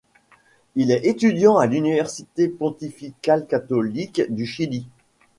Il est étudiant à l'Université pontificale catholique du Chili.